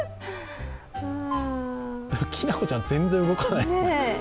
きなこちゃん、全然動かないです。